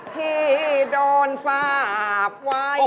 ที่โดนฝากไว้